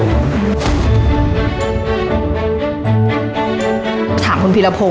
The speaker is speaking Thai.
แล้วจากนี้คุณต้องลองสร้างแบรนด์ที่เข้าถึงคนรุ่นใหม่มาขึ้น